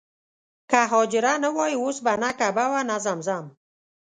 که حاجره نه وای اوس به نه کعبه وه نه زمزم.